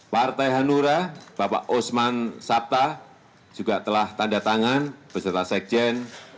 partai hanura bapak osman sabta juga telah tanda tangan beserta sekjen